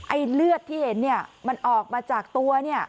เลือดที่เห็นเนี่ยมันออกมาจากตัวเนี่ย